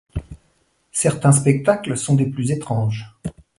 Certains spectacles sont des plus étranges.